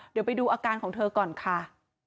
เดี๋ยวไปดูอาการของเธอก่อนค่ะ